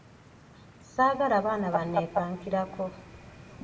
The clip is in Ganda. Saagala baana banneepankirako.